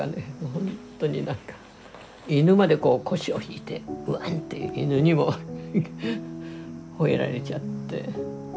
ほんとになんか犬までこう腰を引いてワンって犬にもほえられちゃって。